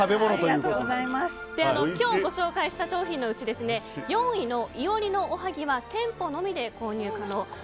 今日ご紹介した商品のうち４位の伊織のおはぎは店舗のみで購入可能。